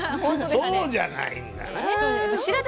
そうじゃないんだな。